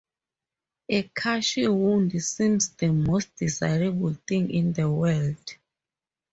A cushy wound seems the most desirable thing in the world.